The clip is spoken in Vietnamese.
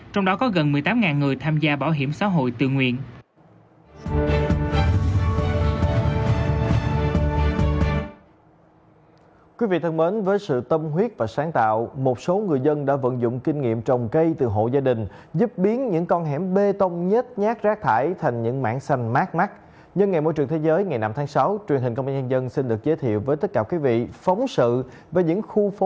trong đó có gần một mươi tám người tham gia bảo hiểm xã hội tự nguyện